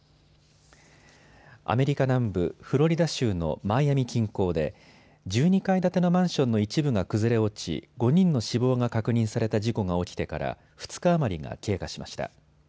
アメリカ南部フロリダ州のマイアミ近郊で１２階建てのマンションの一部が崩れ落ち５人の死亡が確認された事故が起きてから２日余りが経過しました。